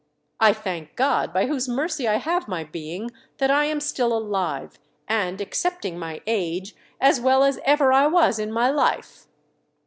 I thank God, by whose mercy I have my being, that I am still alive, and, excepting my age, as well as ever I was in my life."